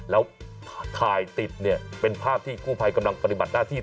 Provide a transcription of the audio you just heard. แล้วถ่ายติดเนี่ยเป็นภาพที่กู้ภัยกำลังปฏิบัติหน้าที่